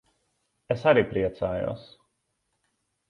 Es arī priecājos.